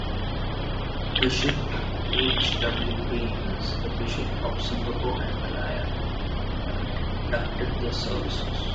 Bishop H. W. Baines, the Bishop of Singapore and Malaya, conducted the services.